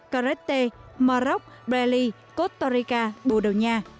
cáreté maroc bréli costa rica bồ đào nha